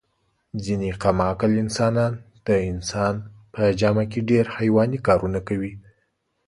ځنې کم عقل انسانان د انسان په جامه کې ډېر حیواني کارونه کوي.